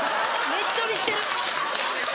ねっちょりしてる。